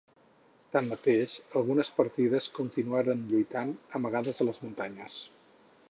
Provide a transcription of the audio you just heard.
Tanmateix, algunes partides continuaren lluitant, amagades a les muntanyes.